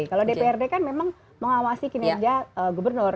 kalau dprd kan memang mengawasi kinerja gubernur